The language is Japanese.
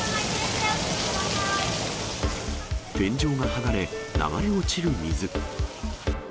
天井が剥がれ、流れ落ちる水。